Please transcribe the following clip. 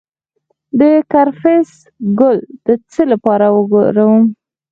د کرفس ګل د څه لپاره وکاروم؟